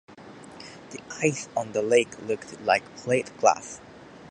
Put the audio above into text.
The ice on the lake looked like plate glass.